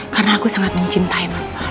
karena aku sangat mencintai mas fahri